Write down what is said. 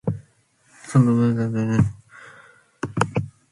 Son dy chooilley nhee edyr follit ny foshlit.